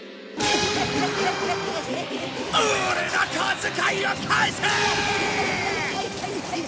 オレの小遣いを返せー！